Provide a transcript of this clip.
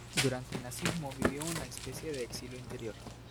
Durante el nazismo vivió una especie de exilio interior.